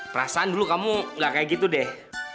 perasaan dulu kamu gak kayak gitu deh